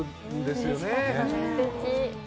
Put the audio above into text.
すてき。